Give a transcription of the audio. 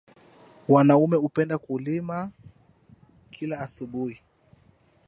Wanaume hupenda kulima kila asubuhi.